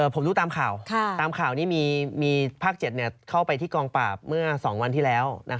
ผมดูตามข่าวตามข่าวนี้มีภาค๗เข้าไปที่กองปราบเมื่อ๒วันที่แล้ว